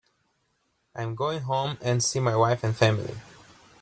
I'm going home and see my wife and family.